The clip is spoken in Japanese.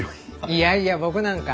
いやいや僕なんか。